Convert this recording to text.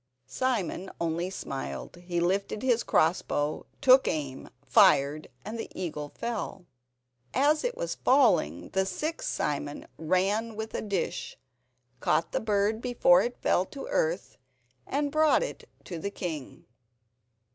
Simon only smiled; he lifted his cross bow, took aim, fired, and the eagle fell. As it was falling the sixth Simon ran with a dish, caught the bird before it fell to earth and brought it to the king.